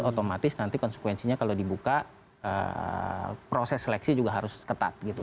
otomatis nanti konsekuensinya kalau dibuka proses seleksi juga harus ketat gitu